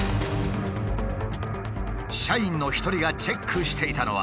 社員の一人がチェックしていたのは。